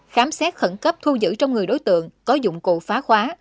khám xét khẩn cấp thu giữ trong người đối tượng có dụng cụ phá khóa